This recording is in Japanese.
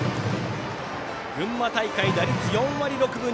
群馬大会、打率４割６分２厘。